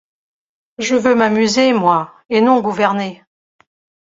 Je veux m’amuser, moi, et non gouverner.